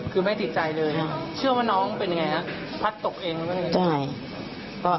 คือไม่ติดใจเลยฮะเชื่อว่าน้องเป็นไงฮะพัดตกเองหรือเป็นไง